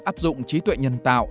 áp dụng trí tuệ nhân tạo